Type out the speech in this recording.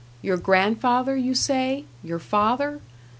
Your grandfather, you say? Your father?